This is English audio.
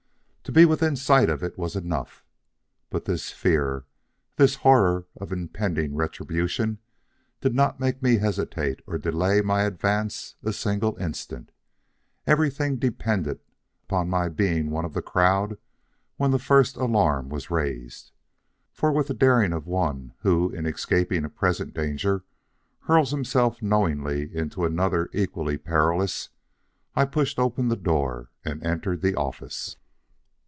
To be within sight of it was enough. But this fear this horror of impending retribution did not make me hesitate or delay my advance a single instant. Everything depended upon my being one of the crowd when the first alarm was raised. So with the daring of one who in escaping a present danger hurls himself knowingly into another equally perilous, I pushed open the door and entered the office.